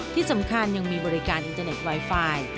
ที่สำคัญยังมีบริการอินเทอร์เน็ตไวไฟ